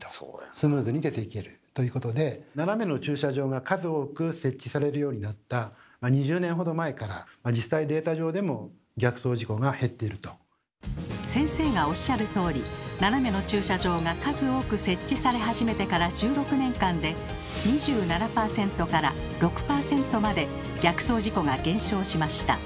スムーズに出ていけるということで実際データ上でも先生がおっしゃるとおり斜めの駐車場が数多く設置され始めてから１６年間で２７％から６％まで逆走事故が減少しました。